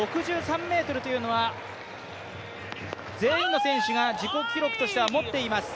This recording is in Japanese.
６３ｍというのは全員の選手が自己記録としては持っています。